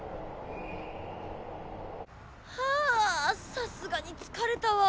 はぁさすがに疲れたわ。